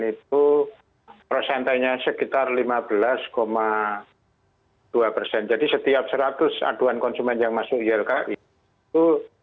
dan itu prosentanya sekitar lima belas dua persen jadi setiap seratus aduan konsumen yang masuk ylki itu